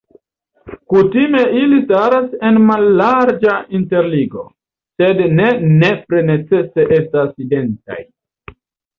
Kutime ili staras en mallarĝa interligo, sed ne nepre necese estas identaj.